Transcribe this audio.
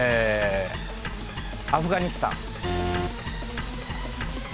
アフガニスタン。